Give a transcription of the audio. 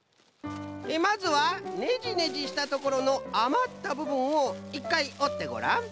まずはねじねじしたところのあまったぶぶんをいっかいおってごらん。